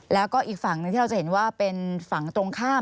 แล้วก็อีกฝั่งหนึ่งที่เราจะเห็นว่าเป็นฝั่งตรงข้าม